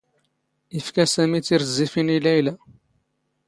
ⵉⴼⴽⴰ ⵙⴰⵎⵉ ⵜⵉⵔⵣⵣⵉⴼⵉⵏ ⵉ ⵍⴰⵢⵍⴰ.